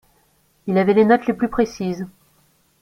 Il avait les notes les plus précises.